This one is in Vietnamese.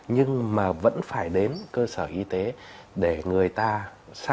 nhưng mà vẫn phải đến cơ sở y tế để người ta xa